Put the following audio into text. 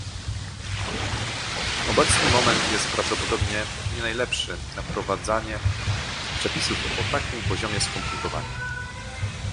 Obecny moment jest prawdopodobnie nie najlepszy na wprowadzanie przepisów o takim poziomie skomplikowania